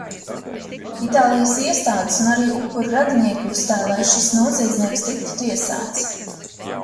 Itālijas iestādes un arī upuru radinieki uzstāj, lai šis noziedznieks tiktu tiesāts.